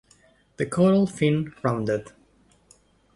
The caudal fin rounded.